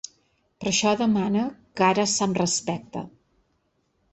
Per això demane que ara se’m respecte.